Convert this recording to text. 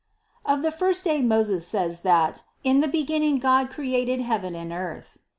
Of the first day Moses says that "In the beginning God created heaven and earth."